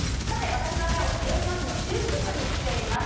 私は広島市の中心部に来ています。